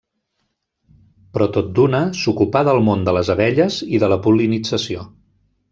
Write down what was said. Però tot d’una s’ocupà del món de les abelles i de la pol·linització.